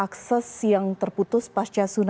karena memang akses yang terputus pasca sepanjang ini